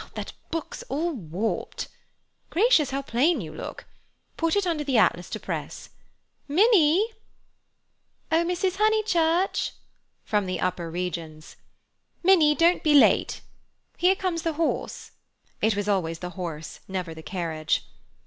That book's all warped. (Gracious, how plain you look!) Put it under the Atlas to press. Minnie!" "Oh, Mrs. Honeychurch—" from the upper regions. "Minnie, don't be late. Here comes the horse"—it was always the horse, never the carriage.